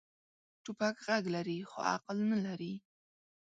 توپک غږ لري، خو عقل نه لري.